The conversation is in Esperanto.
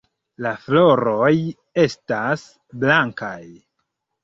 La floroj estas blankaj.